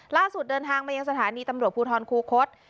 ล่าสุดเดินทางมายังสถานีตำรวจภูทรคูคศ